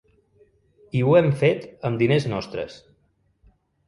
I ho hem fet amb diners nostres.